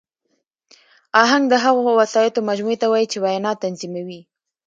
آهنګ د هغو وسایطو مجموعې ته وایي، چي وینا تنظیموي.